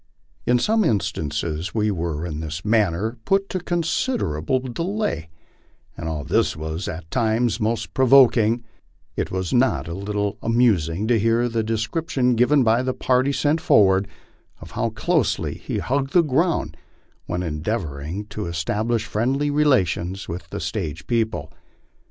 In some instances we were in this man ner put to considerable delay, and although this was at times most pro voking, it was not a little amusing to hear the description given by the party sent forward of how closely he hugged the ground when endeavoring to es tablish friendly relations with the stage people.